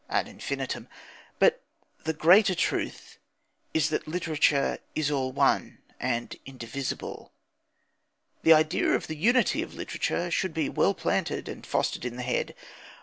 ad infinitum. But the greater truth is that literature is all one and indivisible. The idea of the unity of literature should be well planted and fostered in the head.